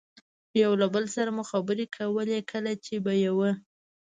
یو له بل سره مو خبرې کولې، کله چې به یوه.